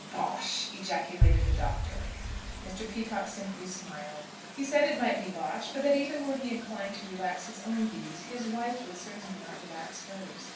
"Bosh!" ejaculated the Doctor. Mr. Peacocke simply smiled. He said it might be bosh, but that even were he inclined to relax his own views, his wife would certainly not relax hers.